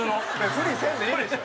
ふりせんでいいでしょ。